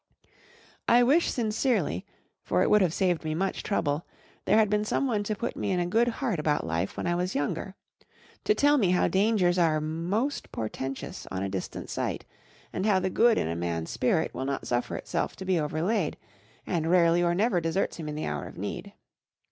I wish sincerely, for it would have saved me much trouble, there had been some one to put me in a good heart about life when I was younger; to tell me how dangers are most portentous on a distant sight; and how the good in a man's spirit will not suffer itself to be overlaid, and rarely or never deserts him in the hour of need.